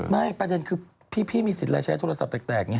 ไม่ปัจจันคือพี่มีสิทธิ์อะไรใช้โทรศัพท์แตกอย่างนี้